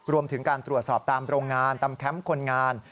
รวมถึงการตรวจสอบตามโรงงานตามแคมป์คนงาน